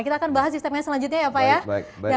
kita akan bahas di step selanjutnya ya pak ya